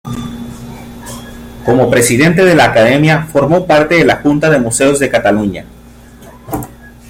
Como presidente de la Academia formó parte de la Junta de Museos de Cataluña.